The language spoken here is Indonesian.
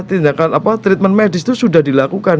tindakan apa treatment medis itu sudah dilakukan